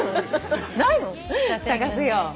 探すよ。